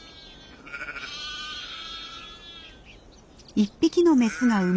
１匹のメスが産む